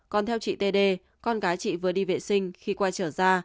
còn theo chị t d con gái chị vừa đi vệ sinh khi quay trở ra